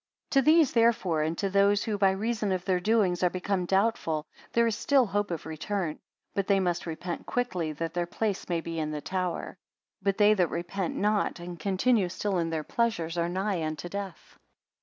74 To these therefore, and to those who by reason of their doings are become doubtful, there is still hope of return; but they must repent quickly, that their place may be in the tower. But they that repent not, and continue still in their pleasures, are nigh unto death.